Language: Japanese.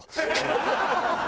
ハハハハ！